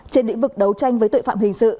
trên lĩnh vực đấu tranh với tội phạm hình sự